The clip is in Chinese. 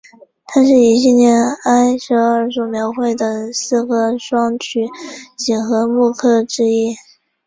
它是一系列埃舍尔所描绘的四个双曲几何木刻之一。